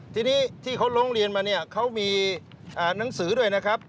ทีนี้ที่เขาร้องเรียนมาเนี่ยเขามีหนังสือด้วยนะครับ